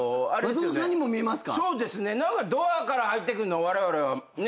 松本さんにも見えますか？